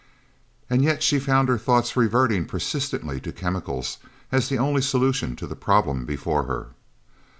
And yet she found her thoughts reverting persistently to chemicals as the only solution to the problem before her.